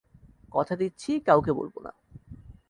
কথা দিচ্ছি কাউকে বলবো না।